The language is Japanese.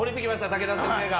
武田先生が。